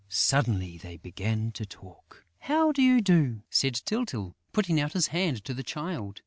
Suddenly, they began to talk: "How do you do?" said Tyltyl, putting out his hand to the Child.